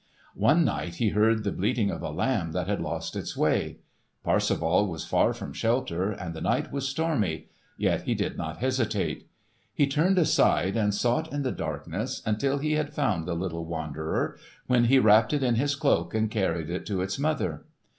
One night he heard the bleating of a lamb that had lost its way. Parsifal was far from shelter, and the night was stormy, yet he did not hesitate. He turned aside and sought in the darkness until he had found the little wanderer, when he wrapped it in his cloak and carried it to its mother.